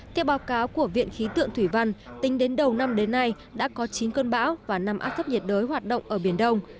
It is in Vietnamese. theo báo cáo của viện khí tượng thủy văn tính đến đầu năm đến nay đã có chín cơn bão và năm áp thấp nhiệt đới hoạt động ở biển đông